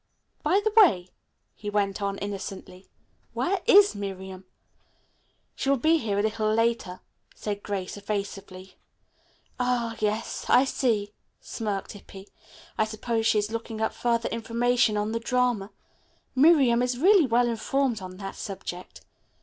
By the way," he went on innocently, "where is Miriam?" "She will be here a little later," said Grace evasively. "Ah, yes, I see," smirked Hippy. "I suppose she is looking up further information on the drama. Miriam is really well informed on that subject.